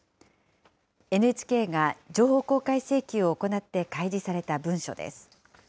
ＮＨＫが情報公開請求を行って開示された文書です。